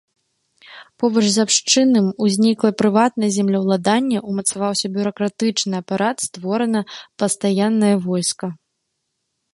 Побач з абшчынным узнікла прыватнае землеўладанне, умацаваўся бюракратычны апарат, створана пастаяннае войска.